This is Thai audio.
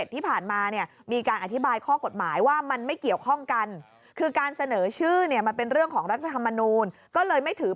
ทีนี้ก็เลยถามคุณวิทากังวลไหม